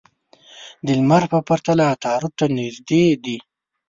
د لمر په پرتله عطارد ته نژدې دي.